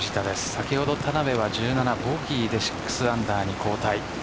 先ほど田辺は１７ボギーで６アンダーに後退。